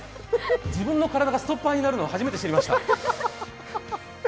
自分の体がストッパーになるのは初めて知りました。